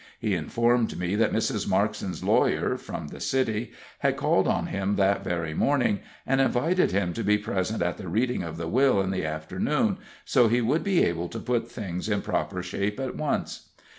He informed me that Mrs. Markson's lawyer, from the city, had called on him that very morning, and invited him to be present at the reading of the will in the afternoon, so he would be able to put things in proper shape at once.